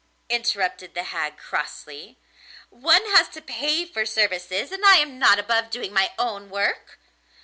interrupted the hag crossly. 'One has to pay for services, and I am not above doing my own work.